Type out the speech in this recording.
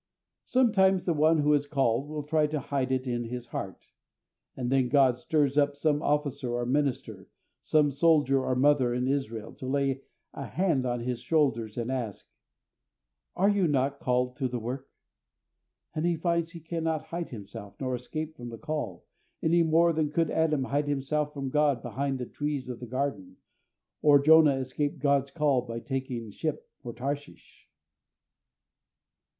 Sometimes the one who is called will try to hide it in his heart, and then God stirs up some Officer or minister, some Soldier or mother in Israel, to lay a hand on his shoulders, and ask, "Are you not called to the work?" and he finds he cannot hide himself nor escape from the call, any more than could Adam hide himself from God behind the trees of the garden, or Jonah escape God's call by taking ship for Tarshish.